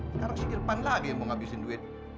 sekarang si irfan lagi yang mau ngabisin duit